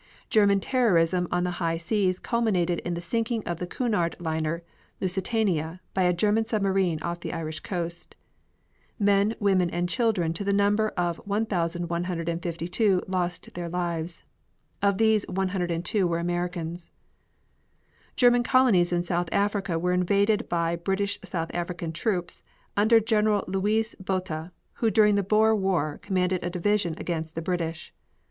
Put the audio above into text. German terrorism on the high seas culminated in the sinking of the Cunard liner Lusitania by a German submarine off the Irish coast. Men, women and children to the number of 1,152 lost their lives. Of these 102 were Americans. German colonies in South Africa were invaded by British South African troops under General Louis Botha, who during the Boer War commanded a division against the British.